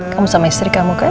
kamu sama istri kamu kan